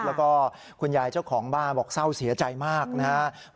แล้วก็คุณยายเจ้าของบ้านบอกเศร้าเสียใจมากนะครับ